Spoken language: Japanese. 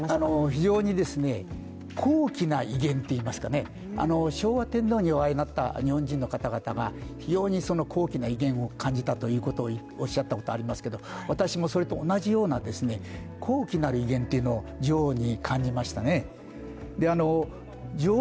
非常に高貴な威厳というのか、昭和天皇にお会いになった日本人の方々が非常に高貴な威厳を感じたということをおっしゃったことがありますけれども、私もそれと同じような、高貴なる威厳というのを女王に感じましたね。